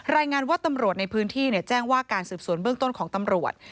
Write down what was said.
รายงานว่าตำรวจในพื้นที่แจ้งว่าการสืบสวนเบื้องต้นของตำรวจ